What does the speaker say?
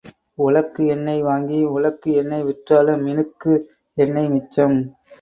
உழக்கு எண்ணெய் வாங்கி உழக்கு எண்ணெய் விற்றாலும் மினுக்கு எண்ணெய் மிச்சம்.